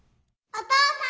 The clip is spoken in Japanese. お父さん！